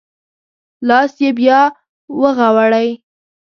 لاس یې بیا وغوړوی.